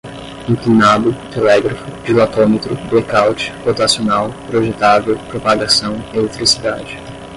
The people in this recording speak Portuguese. inclinado, telégrafo, dilatômetro, blecaute, rotacional, projetável, propagação, eletricidade